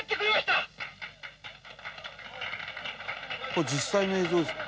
「これ実際の映像ですか？」